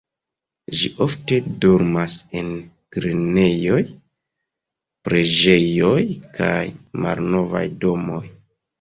Ĝi ofte dormas en grenejoj, preĝejoj kaj malnovaj domoj.